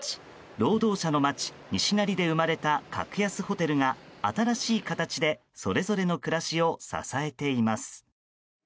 労働者の街・西成で生まれた格安ホテルが新しい形でそれぞれの暮らしを支えています。